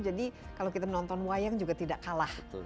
jadi kalau kita nonton wayang juga tidak kalah